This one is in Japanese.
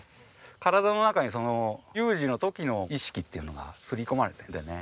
体の中にその有事の時の意識っていうのが刷り込まれているんでね。